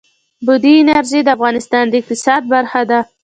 بادي انرژي د افغانستان د اقتصاد برخه ده.